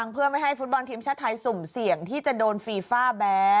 เพื่อไม่ให้ฟุตบอลทีมชาติไทยสุ่มเสี่ยงที่จะโดนฟีฟ่าแบร์